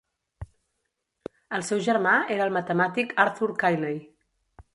El seu germà era el matemàtic Arthur Cayley.